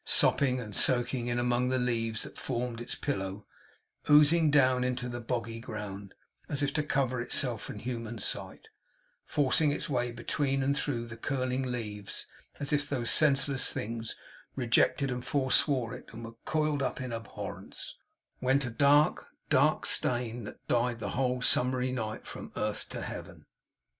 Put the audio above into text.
Sopping and soaking in among the leaves that formed its pillow; oozing down into the boggy ground, as if to cover itself from human sight; forcing its way between and through the curling leaves, as if those senseless things rejected and forswore it and were coiled up in abhorrence; went a dark, dark stain that dyed the whole summer night from earth to heaven.